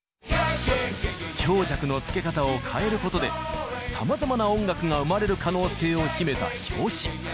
強弱のつけ方を変えることでさまざまな音楽が生まれる可能性を秘めた拍子。